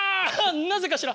なぜかしら？